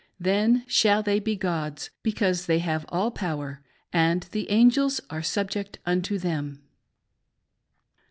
Then shall they be gods, because they have all power, and the angels are subject unto them.